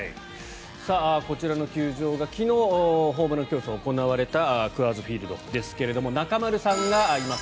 こちらの球場が昨日ホームラン競争が行われたクアーズ・フィールドですけど中丸さんがいます。